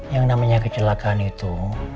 yang namanya kecelakaan itu